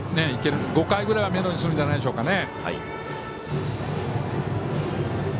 ５回ぐらいをめどにするんじゃないでしょうかね。